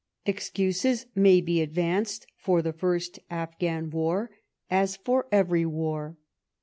Excuses may be advanced for the first Afginan war, as for every war.